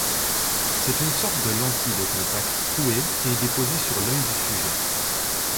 C’est une sorte de lentille de contact trouée et déposée sur l’œil du sujet.